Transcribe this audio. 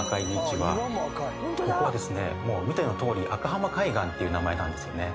もう見てのとおり赤浜海岸っていう名前なんですね。